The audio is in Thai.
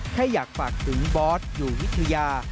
แค่อยากฝากถึงบอสอยู่วิทยา